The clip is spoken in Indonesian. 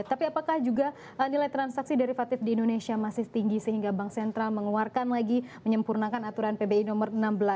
tapi apakah juga nilai transaksi derivatif di indonesia masih tinggi sehingga bank sentral mengeluarkan lagi menyempurnakan aturan pbi nomor enam belas